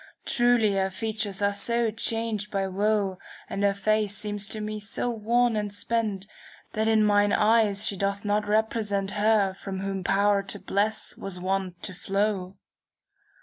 Truly her features are so changed by woe, ■* And her face seems to me so worn and spent. That in mine eyes she doth not represent Her from whom power to bless was wont to flow."